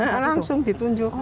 iya langsung ditunjuk